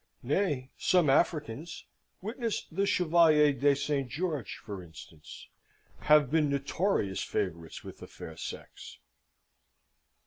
Nay, some Africans witness the Chevalier de St. Georges, for instance have been notorious favourites with the fair sex.